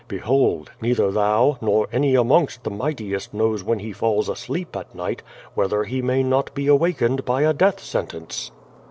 Behold, neither thou, nor any amongst the mightiest knows when he falls asleep at night whether he may not be awakened by a death sentence.